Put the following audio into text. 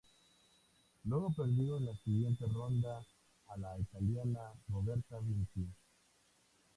Luego perdió en la siguiente ronda a la italiana Roberta Vinci.